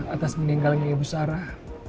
atas meninggalnya ibu sarah